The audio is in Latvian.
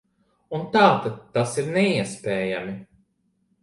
Un tātad tas ir neiespējami.